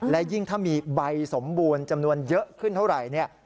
และยิ่งถ้ามีใบสมบูรณ์จำนวนเยอะขึ้นเท่าไหร่เนี่ย